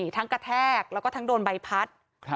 กระแทกแล้วก็ทั้งโดนใบพัด